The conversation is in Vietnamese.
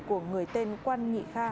của người tên quan nhị khai